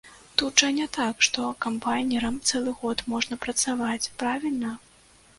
Тут жа не так, што камбайнерам цэлы год можна працаваць, правільна?